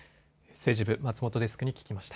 政治部松本デスクに聞きました。